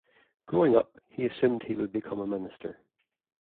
Growing up, he assumed he would become a minister.